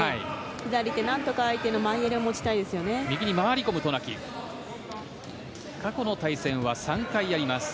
左手、なんとか相手の前襟を持ちたいですね。